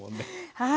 はい。